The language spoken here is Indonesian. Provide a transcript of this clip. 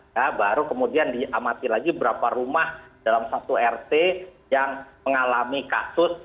ya baru kemudian diamati lagi berapa rumah dalam satu rt yang mengalami kasus